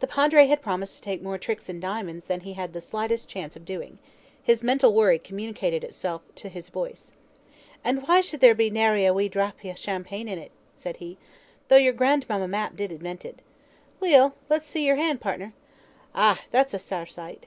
The Padre had promised to take more tricks in diamonds than he had the slightest chance of doing. His mental worry communicated itself to his voice. "And why should there be nary a wee drappie o' champagne in it?" he said, "though your Grandmamma Mapp did invent it. Weel, let's see your hand, partner. Eh, that's a sair sight."